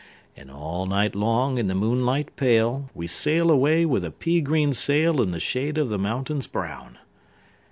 And all night long, in the moonlight pale, We sail away with a pea green sailIn the shade of the mountains brown."